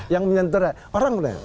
yang menyentuh orang